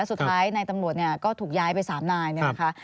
และสุดท้ายในตำรวจก็ถูกย้ายไปสามนายนี่แหละคะ